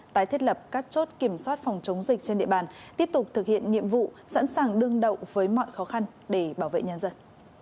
tái thiết lập các chốt kiểm soát phòng chống dịch trên địa bàn tiếp tục thực hiện nhiệm vụ sẵn sàng đương đầu với mọi khó khăn để bảo vệ nhân dân